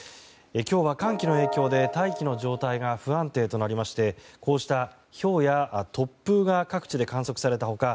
今日は寒気の影響で大気の状態が不安定となりましてひょうや突風が各地で観測された他